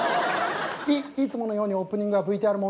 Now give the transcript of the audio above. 「い」いつものようにオープニングはＶＴＲ問題です。